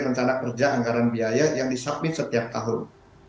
rencana kerja anggaran biaya yang disubmit setiap tahun